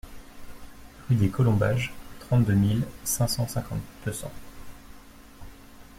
Rue des Colombages, trente-deux mille cinq cent cinquante Pessan